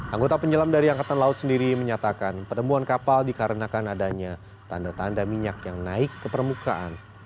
anggota penyelam dari angkatan laut sendiri menyatakan penemuan kapal dikarenakan adanya tanda tanda minyak yang naik ke permukaan